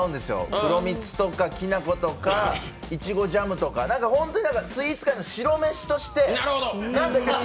黒蜜とかきな粉とかいちごジャムとか本当にスイーツ界の白めしとして。